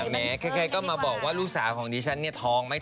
แม้ใครก็มาบอกว่าลูกสาวของดิฉันเนี่ยท้องไหม